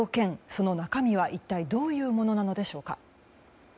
その中身は一体どういうものなのでしょうか。